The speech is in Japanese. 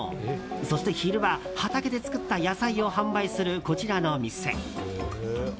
そして、昼は畑で作った野菜を販売するこちらの店。